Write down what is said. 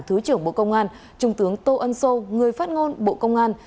thứ trưởng bộ công an trung tướng tô ân sô người phát ngôn bộ công an